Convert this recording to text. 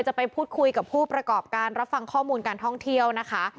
จะไปพูดคุยกับผู้ประกอบการรับฟังข้อมูลการท่องเที่ยวนะคะ